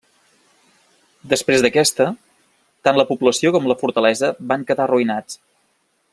Després d'aquesta, tant la població com la fortalesa van quedar arruïnats.